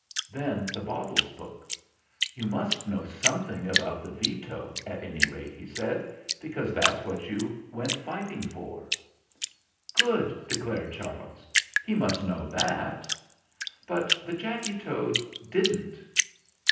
Then the bottle spoke. "You must know something about the Veto, at any rate," he said ; "because that's what you went fighting for." "Good !" declared Charles. "He must know that." But tHe Jacky Toad didn't.